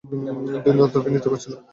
দুই নর্তকী নৃত্য করছিল।